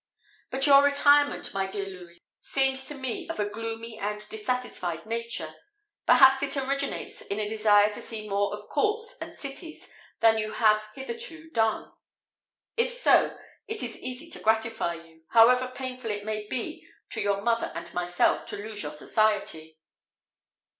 But your retirement, my dear Louis, seems to me of a gloomy and dissatisfied nature; perhaps it originates in a desire to see more of courts and cities than you have hitherto done. If so, it is easy to gratify you, however painful it may be to your mother and myself to lose your society."